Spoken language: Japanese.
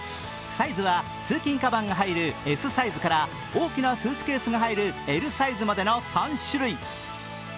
サイズは通勤かばんが入るＳサイズから大きなスーツケースが入るＬサイズまでの３種類。